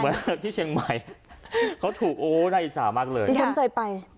ก็แหละที่เชียงใหม่บทที่จะเห็นมากเลย